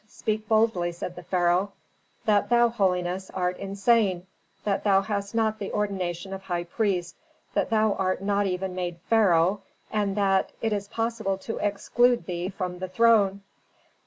Speak boldly," said the pharaoh. "That thou, holiness, art insane, that thou hast not the ordination of high priest, that thou art not even made pharaoh, and that it is possible to exclude thee from the throne."